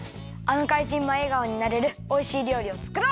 あのかいじんがえがおになれるおいしいりょうりをつくろう！